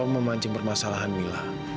jangan mengancing permasalahan mila